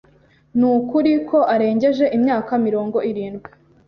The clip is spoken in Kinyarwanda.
Nukuri ko arengeje imyaka mirongo irindwi.